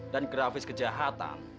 dan grafis kejahatan